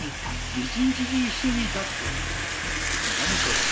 １日中一緒にいたって何それ？